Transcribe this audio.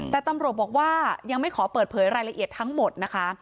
แต่ตำรวจบอกว่ายังไม่ขอเปิดเผยรายละเอียดทั้งหมดนะคะ